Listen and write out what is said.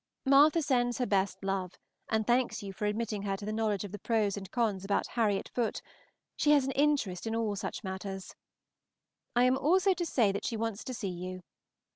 Martha sends her best love, and thanks you for admitting her to the knowledge of the pros and cons about Harriet Foote; she has an interest in all such matters. I am also to say that she wants to see you.